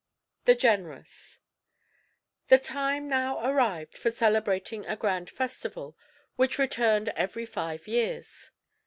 THE GENEROUS The time now arrived for celebrating a grand festival, which returned every five years.